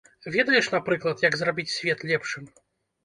Ведаеш, напрыклад, як зрабіць свет лепшым?